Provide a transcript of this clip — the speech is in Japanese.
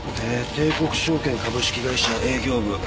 帝国証券株式会社営業部。